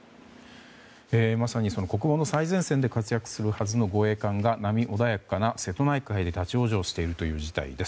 まさに国防の最前線で活躍するはずの護衛艦が波穏やかな瀬戸内海で立ち往生しているという事態。